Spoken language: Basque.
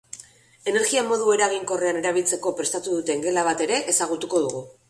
Energia modu eraginkorrean erabiltzeko prestatu duten gela bat ere ezagutuko dugu.